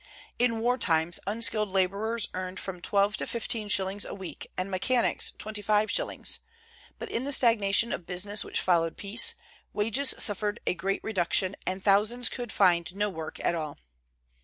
In war times unskilled laborers earned from twelve to fifteen shillings a week, and mechanics twenty five shillings; but in the stagnation of business which followed peace, wages suffered a great reduction, and thousands could find no work at all.